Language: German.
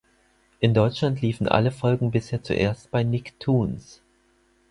In Deutschland liefen alle Folgen bisher zuerst bei Nicktoons.